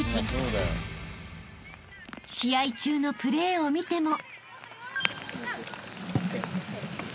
［試合中のプレーを見ても］